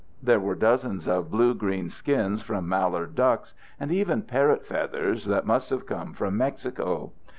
There were dozens of blue green skins from mallard ducks, and even parrot feathers that must have come from Mexico.